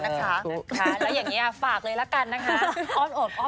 แล้วอย่างนี้ฝากเลยละกันนะคะ